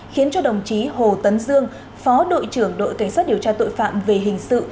khiến cho đồng chí hồ tấn dương phó đội trưởng đội cảnh sát điều tra tội phạm về hình sự